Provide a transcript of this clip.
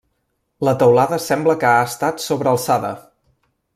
La teulada sembla que ha estat sobre alçada.